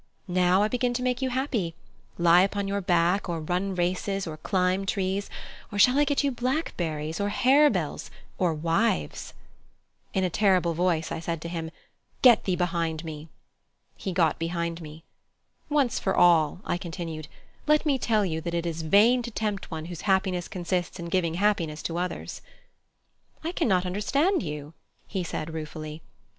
Now I begin to make you happy: lie upon your back or run races, or climb trees, or shall I get you blackberries, or harebells, or wives " In a terrible voice I said to him, "Get thee behind me!" He got behind me. "Once for all," I continued, "let me tell you that it is vain to tempt one whose happiness consists in giving happiness to others." "I cannot understand you," he said ruefully.